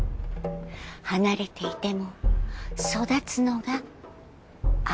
離れていても育つのが愛。